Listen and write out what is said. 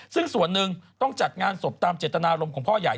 ซึ่งส่วนหนึ่งต้องจัดงานศพตามเจตนารมณ์ของพ่อใหญ่